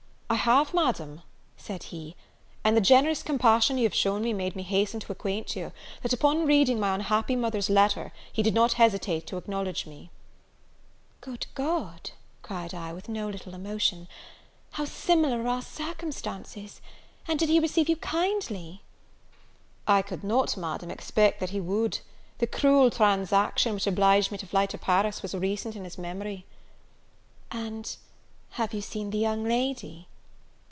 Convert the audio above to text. "I have, Madam," said he, "and the generous compassion you have shown made me hasten to acquaint you, that, upon reading my unhappy mother's letter, he did not hesitate to acknowledge me." "Good God," cried I, with no little emotion, "how similar are our circumstances! And did he receive you kindly?" "I could not, Madam, expect that he would; the cruel, transaction, which obliged me to fly to Paris, was recent in his memory." "And, have you seen the young lady?"